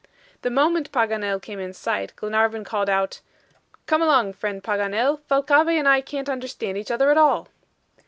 The moment Paganel came in sight, Glenarvan called out: "Come along, friend Paganel. Thalcave and I can't understand each other at all."